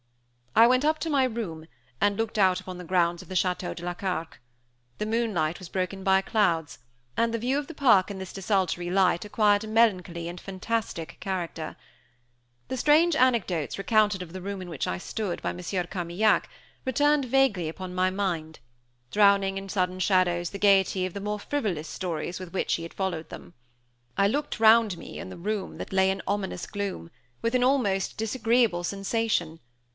I went up to my room, and looked out upon the grounds of the Château de la Carque. The moonlight was broken by clouds, and the view of the park in this desultory light acquired a melancholy and fantastic character. The strange anecdotes recounted of the room in which I stood by Monsieur Carmaignac returned vaguely upon my mind, drowning in sudden shadows the gaiety of the more frivolous stories with which he had followed them. I looked round me on the room that lay in ominous gloom, with an almost disagreeable sensation.